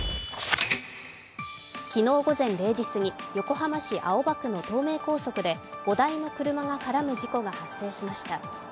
昨日午前０時過ぎ、横浜市青葉区の東名高速で５台の車が絡む事故が発生しました。